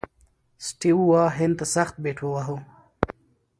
سټیو وا هند ته سخت بیټ وواهه.